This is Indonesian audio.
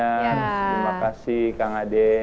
terima kasih kang ade